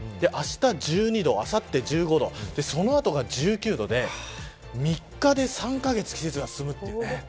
あした１２度、あさって１５度そのあとが１９度で３日で３カ月季節が進みます。